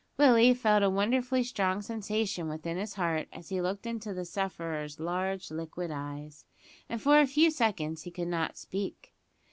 Willie felt a wonderfully strong sensation within his heart as he looked into the sufferer's large liquid eyes; and for a few seconds he could not speak.